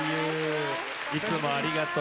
いつもありがとう。